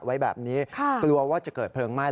ไว้แบบนี้กลัวว่าจะเกิดเพลิงไหม้